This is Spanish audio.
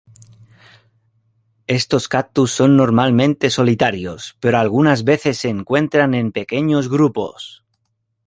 Estos cactus son normalmente solitarios pero algunas veces se encuentran en pequeños grupos.